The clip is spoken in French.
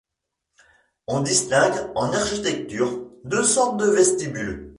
On distingue, en architecture, deux sortes de vestibules.